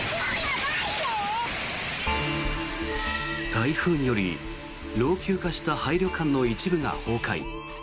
台風により老朽化した廃旅館の一部が崩壊。